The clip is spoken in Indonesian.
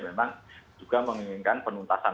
memang juga menginginkan penuntasan